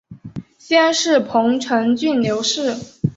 先世彭城郡刘氏。